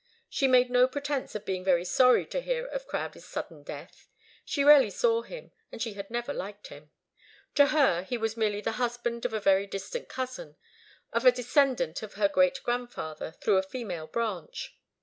She made no pretence of being very sorry to hear of Crowdie's sudden death. She rarely saw him and she had never liked him. To her, he was merely the husband of a very distant cousin of a descendant of her great grandfather through a female branch.